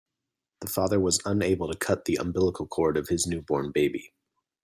The father was unable to cut the umbilical cord of his newborn baby.